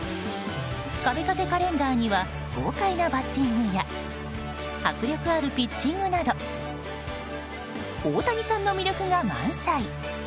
壁掛けカレンダーには豪快なバッティングや迫力あるピッチングなど大谷さんの魅力が満載！